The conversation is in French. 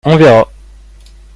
on verra.